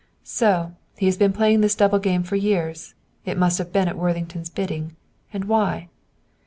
"So, he has been playing this double game for years; it must have been at Worthington's bidding. And why?"